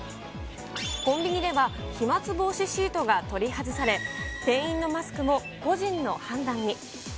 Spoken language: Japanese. コンビニでは飛まつ防止シートが取り外され、店員のマスクも個人の判断に。